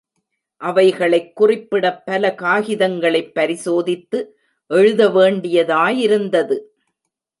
அவைகளைக் குறிப்பிடப் பல காகிதங்களைப் பரிசோதித்து எழுதவேண்டியதாயிருந்தது!